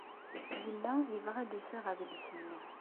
Yella yebɣa ad d-iseɣ adlis-nni.